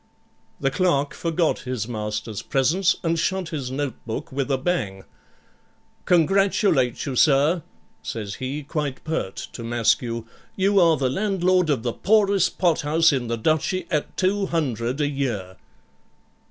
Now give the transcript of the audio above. The clerk forgot his master's presence and shut his notebook with a bang, 'Congratulate you, sir,' says he, quite pert to Maskew; 'you are the landlord of the poorest pothouse in the Duchy at 200 a year.'